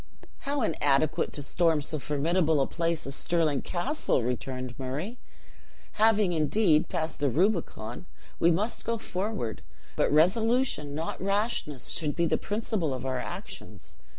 "How inadequate to storm so formidable a place as Stirling Castle!" returned Murray. "Having, indeed, passed the Rubicon, we must go forward, but resolution, not rashness, should be the principle of our actions.